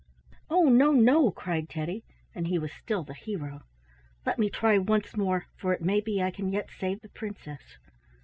"Oh, no, no!" cried Teddy, and he was still the hero. "Let me try once more, for it may be I can yet save the princess."